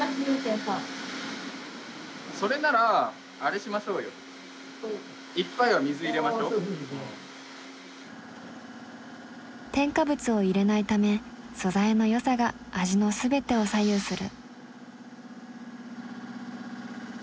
それならあれしましょうよ添加物を入れないため素材の良さが味の全てを左右する。